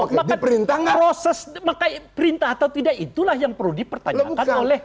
maka perintah proses maka perintah atau tidak itulah yang perlu dipertanyakan oleh